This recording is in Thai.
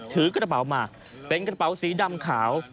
ถือกระดาษเป็นกระดาษสีดำขาว